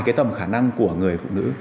cái tầm khả năng của người phụ nữ